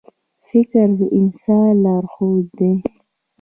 • فکر د انسان لارښود دی.